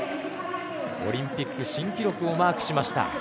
オリンピック新記録をマークしました。